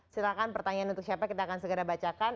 silahkan pertanyaan untuk siapa kita akan segera bacakan